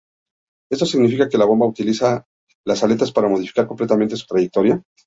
Esto significa que la bomba utiliza las aletas para modificar completamente su trayectoria.